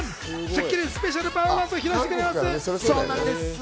スッキリスペシャルパフォーマンスを披露してくれます。